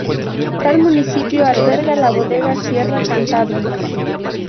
Tal municipio alberga la bodega Sierra Cantabria.